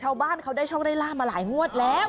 ขอบบ้านเขาได้ช่องไร้ลามมาหลายงวดแล้ว